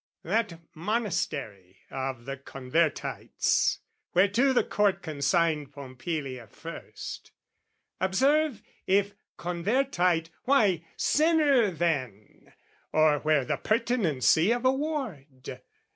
That Monastery of the Convertites Whereto the Court consigned Pompilia first, Observe, if convertite, why, sinner then, Or where the pertinency of award?